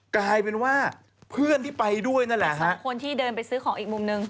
กลายเป็นว่าเพื่อนที่ไปด้วยนั่นแหละฮะคนที่เดินไปซื้อของอีกมุมนึง